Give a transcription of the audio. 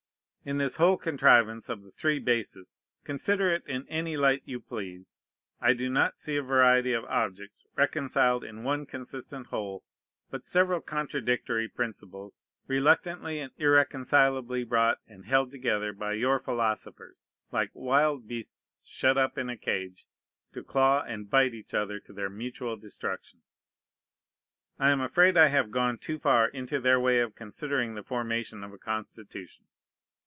In this whole contrivance of the three bases, consider it in any light you please, I do not see a variety of objects reconciled in one consistent whole, but several contradictory principles reluctantly and irreconcilably brought and held together by your philosophers, like wild beasts shut up in a cage, to claw and bite each other to their mutual destruction. I am afraid I have gone too far into their way of considering the formation of a Constitution.